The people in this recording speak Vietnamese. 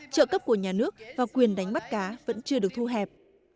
trợ cấp của nhà nước và quyền đánh bắt cá vẫn chưa được thu hẹp